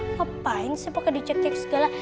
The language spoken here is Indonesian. ngapain sih pake dicek cek segala